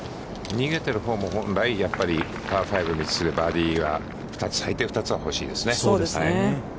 逃げているほうも、本来やっぱり、パー５に、バーディーは最低２つは欲しいですね。